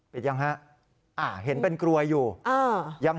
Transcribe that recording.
ปิดหรือยังฮะ